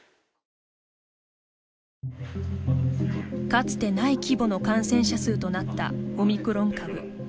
かつてない規模の感染者数となったオミクロン株。